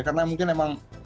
karena mungkin memang